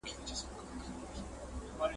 حرص غالب سي عقل ولاړ سي مرور سي !.